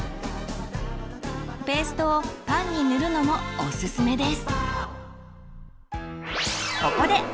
ペーストをパンに塗るのもオススメです。